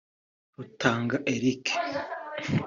Rutanga Eric